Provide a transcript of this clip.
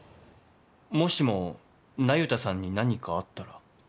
もしも那由他さんに何かあったら？